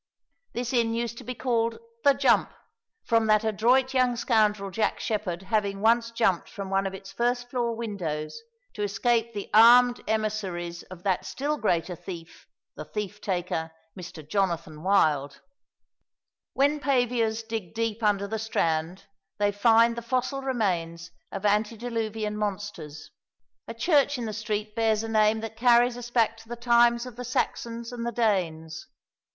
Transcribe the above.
This inn used to be called "The Jump," from that adroit young scoundrel Jack Sheppard having once jumped from one of its first floor windows to escape the armed emissaries of that still greater thief, the thief taker, Mr. Jonathan Wild. When paviours dig deep under the Strand they find the fossil remains of antediluvian monsters. A church in the street bears a name that carries us back to the times of the Saxons and the Danes.